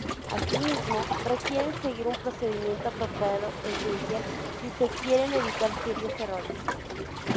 Asimismo, requieren seguir un procedimiento apropiado, esencial si se quieren evitar serios errores.